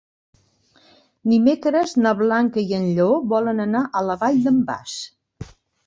Dimecres na Blanca i en Lleó volen anar a la Vall d'en Bas.